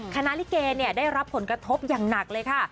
ลิเกได้รับผลกระทบอย่างหนักเลยค่ะ